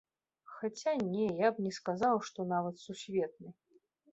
Хаця, не, я б не сказаў, што нават сусветны.